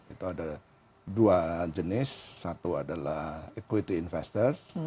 itu ada dua jenis satu adalah equity investor